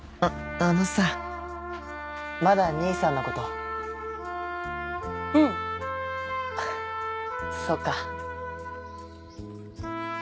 あのさまだ兄さんのことうんそうか